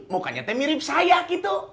mukanya mirip saya gitu